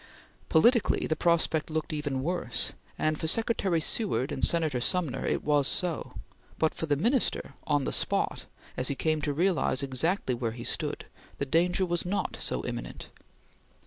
Politically the prospect looked even worse, and for Secretary Seward and Senator Sumner it was so; but for the Minister, on the spot, as he came to realize exactly where he stood, the danger was not so imminent.